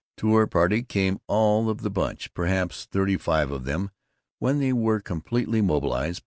To her party came all of the Bunch, perhaps thirty five of them when they were completely mobilized.